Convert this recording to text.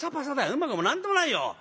うまくも何ともないよ」。